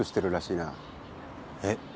えっ？